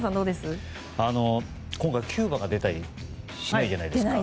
今回キューバが出たりしないじゃないですか。